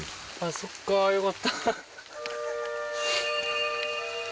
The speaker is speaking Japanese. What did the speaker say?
そっかよかった。